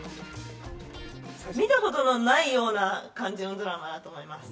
見たことのないような感じのドラマだと思います。